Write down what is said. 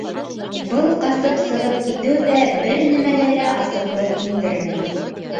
Был ҡасып сығып китеү ҙә бер нәмәгә лә асыҡлыҡ индермәй.